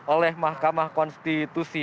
oleh mahkamah konstitusi